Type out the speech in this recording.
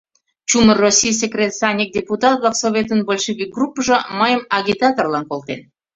Чумыр Российысе Кресаньык Депутат-влак Советын большевик группыжо мыйым агитаторлан колтен.